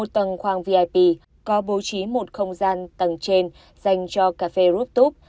một tầng khoang vip có bố trí một không gian tầng trên dành cho cà phê rooftop